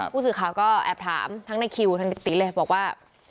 ผู้สื่อข่าวก็แอบถามทั้งในคิวทั้งนิติเลยบอกว่า